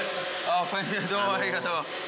どうもありがとう。